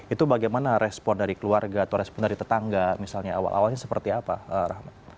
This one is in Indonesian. itu bagaimana respon dari keluarga atau respon dari tetangga misalnya awal awalnya seperti apa rahmat